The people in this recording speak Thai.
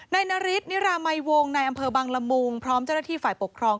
นาริสนิรามัยวงในอำเภอบังละมุงพร้อมเจ้าหน้าที่ฝ่ายปกครอง